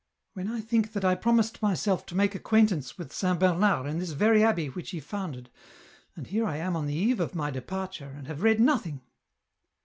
" When I think that I promised myself to make acquain tance with Saint Bernard in this very abbey which he founded, and here I am on the eve of my departure, and have read nothing